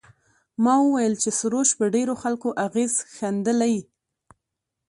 ما وویل چې سروش پر ډېرو خلکو اغېز ښندلی.